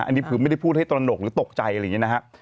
อันนี้คือไม่ได้พูดให้ตระหนกหรือตกใจอะไรอย่างนี้นะครับ